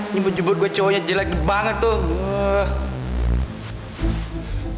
nyemput jemput gue cowoknya jelek banget tuh